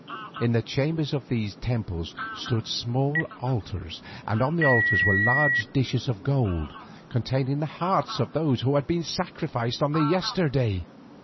In the chambers of these temples stood small altars, and on the altars were large dishes of gold, containing the hearts of those who had been sacrificed on the yesterday.